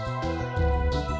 tidak bisa diandalkan